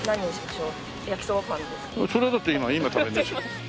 それはだって今食べるでしょ。